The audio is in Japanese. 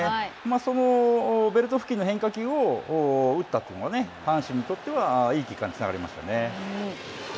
そのベルト付近の変化球を打ったというのは阪神にとっては、いい結果につながりましたね。